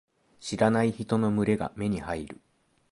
知らない人の群れが目に入る。